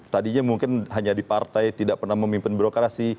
tadinya mungkin hanya di partai tidak pernah memimpin birokrasi